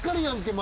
前。